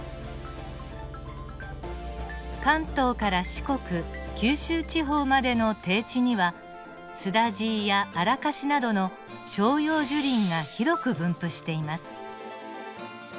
関東から四国九州地方までの低地にはスダジイやアラカシなどの照葉樹林が広く分布しています。